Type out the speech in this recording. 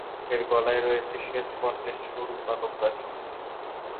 এর গলায় রয়েছে শ্বেত বর্ণের সরু পালক রাশি।